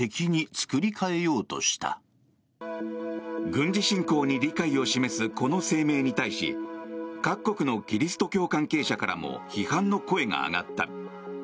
軍事侵攻に理解を示すこの声明に対し各国のキリスト教関係者からも批判の声が上がった。